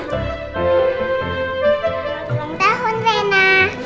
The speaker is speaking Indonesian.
selamat ulang tahun reina